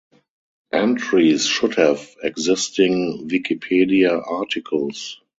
Entries should have existing Wikipedia articles.